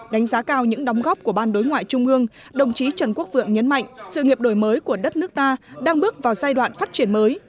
đánh giá cao những đóng góp của ban đối ngoại trung ương đồng chí trần quốc phượng nhấn mạnh sự nghiệp đổi mới của đất nước ta đang bước vào giai đoạn phát triển mới